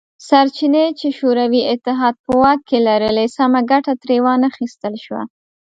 سرچینې چې شوروي اتحاد په واک کې لرلې سمه ګټه ترې وانه خیستل شوه